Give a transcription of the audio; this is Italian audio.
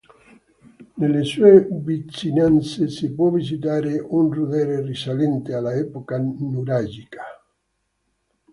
Nelle sue vicinanze si può visitare un rudere risalente all'epoca nuragica.